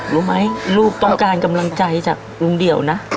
รู้ไหมลูกต้องการกำลังใจจากลุงเดี่ยวนะ